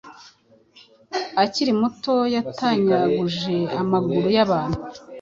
akiri muto yatanyaguje amaguru yabantu,